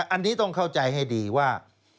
อันนี้ต้องเข้าใจให้ดีว่า